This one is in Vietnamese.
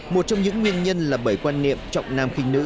một trong những nguyên nhân là bởi quan niệm trọng nam khinh nữ